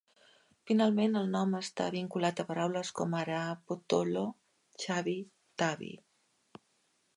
Finalment el nom està vinculat a paraules com ara "pottolo" "Chubby, Tubby".